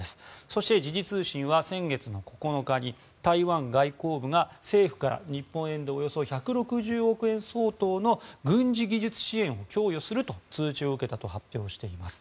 そして、時事通信は先月９日に台湾外交部が政府から日本円でおよそ１６０億円相当の軍事技術支援を供与すると通知を受けたと発表しています。